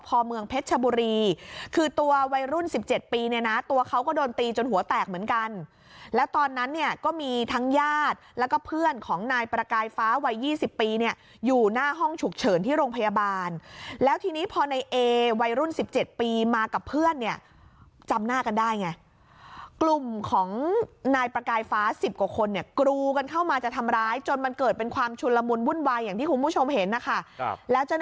พอเมืองเพชรบุรีคือตัววัยรุ่น๑๗ปีเนี่ยนะตัวเขาก็โดนตีจนหัวแตกเหมือนกันแล้วตอนนั้นเนี่ยก็มีทั้งญาติแล้วก็เพื่อนของนายประกายฟ้าวัย๒๐ปีเนี่ยอยู่หน้าห้องฉุกเฉินที่โรงพยาบาลแล้วทีนี้พอในเอวัยรุ่น๑๗ปีมากับเพื่อนเนี่ยจำหน้ากันได้ไงกลุ่มของนายประกายฟ้า๑๐กว่าคนเนี่ยกรูกันเข้ามาจะทำ